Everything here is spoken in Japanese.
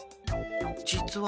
実は。